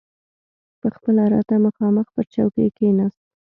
پخپله راته مخامخ پر چوکۍ کښېناست.